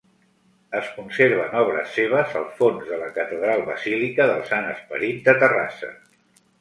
Es conserven obres seves al fons de la catedral-basílica del Sant Esperit de Terrassa.